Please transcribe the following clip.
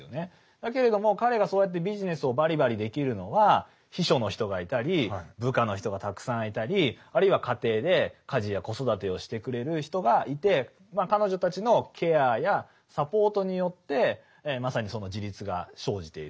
だけれども彼がそうやってビジネスをバリバリできるのは秘書の人がいたり部下の人がたくさんいたりあるいは家庭で家事や子育てをしてくれる人がいてということは逆にいうとそので恐らくあそうそう。